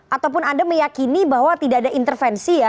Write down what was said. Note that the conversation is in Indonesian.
ataupun anda meyakini bahwa tidak ada intervensi ya